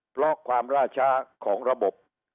เพราะความล่าช้าของระบบ